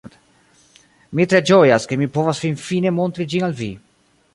Mi tre ĝojas, ke mi povas finfine montri ĝin al vi